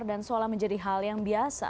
dan seolah menjadi hal yang biasa